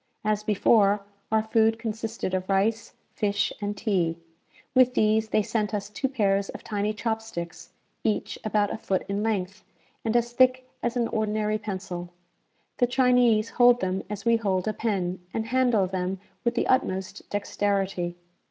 As before, our food consisted of rice, fish, and tea. With these they sent us two pairs of tiny chop sticks, each about a foot in length, and as thick as an ordinary pencil. The Chinese hold them as we hold a pen, and handle them with the utmost dexterity.